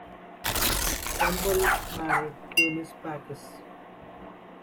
Trumbull married Eunice Backus.